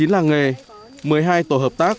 một mươi chín làng nghề một mươi hai tổ hợp tác